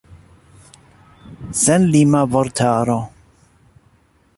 Senlima vortaro.